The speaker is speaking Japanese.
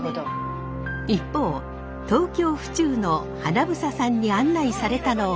一方東京・府中の英さんに案内されたのは。